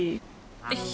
よし。